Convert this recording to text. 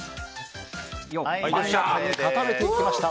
固めていきました。